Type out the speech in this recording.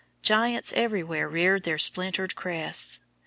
Giants everywhere reared their splintered crests.